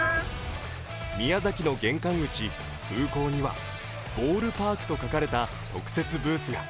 宮崎の玄関口、空港には「ＢＡＬＬＰＡＲＫ」と書かれた特設ブースが。